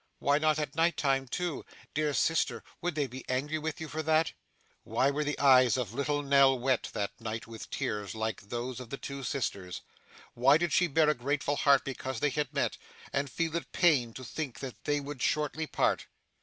'Why not at night time too? Dear sister, would they be angry with you for that?' Why were the eyes of little Nell wet, that night, with tears like those of the two sisters? Why did she bear a grateful heart because they had met, and feel it pain to think that they would shortly part?